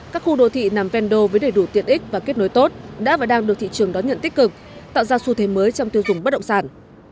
các khu đô thị nằm ven đô với đầy đủ tiện ích và kết nối tốt đã và đang được thị trường đón nhận tích cực tạo ra xu thế mới trong tiêu dùng bất động sản